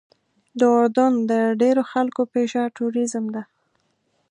د اردن د ډېرو خلکو پیشه ټوریزم ده.